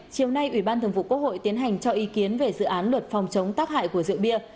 chiều nay ủy ban thường vụ quốc hội tiến hành cho ý kiến về dự án luật phòng chống tác hại của rượu bia